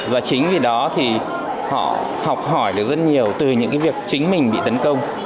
và chính vì đó thì họ học hỏi được rất nhiều từ những việc chính mình bị tấn công